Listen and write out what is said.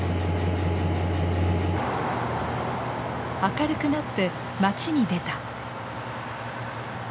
明るくなって町に出た。